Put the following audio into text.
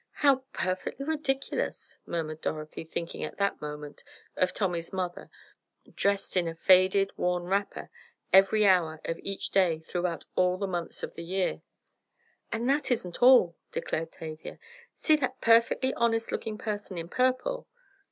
"How perfectly ridiculous!" murmured Dorothy, thinking at that moment of Tommy's mother, dressed in a faded, worn wrapper every hour of each day throughout all the months of the year. "And that isn't all," declared Tavia. "See that perfectly honest looking person in purple?"